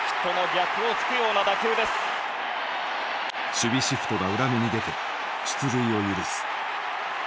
守備シフトが裏目に出て出塁を許す。